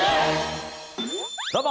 どうも！